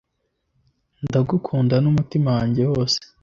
ndagukunda n'umutima wanjye wose